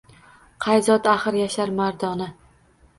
Qay zot axir yashar mardona